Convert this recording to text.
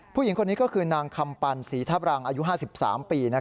ผู้หญิงคนนี้ก็คือนางคำปันศรีทัพรังอายุ๕๓ปี